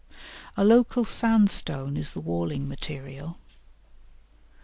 A local sandstone is the walling material.